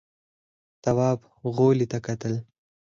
تواب غولي ته کتل….